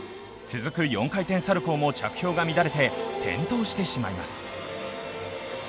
続く４回転サルコウも着氷が乱れて、転倒してしまいます